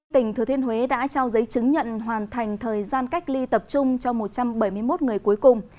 tỉnh thừa thiên huế đã trao giấy chứng nhận hoàn thành thời gian cách ly tập trung cho một trăm bảy mươi một người cuối cùng